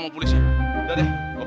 aku harus tinggal